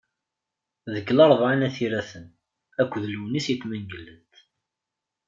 Deg Larebɛa n At Yiraten, akked Lewnis Ayit Mengellat.